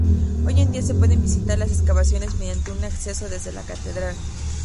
Hoy en día se pueden visitar las excavaciones mediante un acceso desde la catedral.